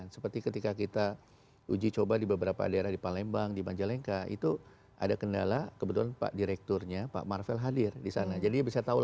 sudah menantikan hal ini